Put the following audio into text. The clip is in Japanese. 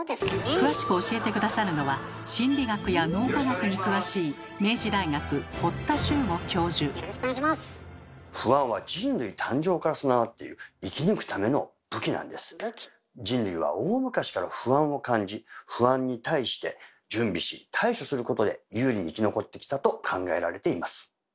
詳しく教えて下さるのは心理学や脳科学に詳しい不安に対して準備し対処することで有利に生き残ってきたと考えられています。